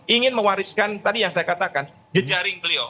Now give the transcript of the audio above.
ingin mewariskan tadi yang saya katakan jejaring beliau